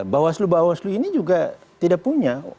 bawaslu bawaslu ini juga tidak punya